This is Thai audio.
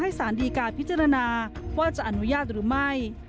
สารดีการพิจารณาว่าจะอนุญาตหรือไม่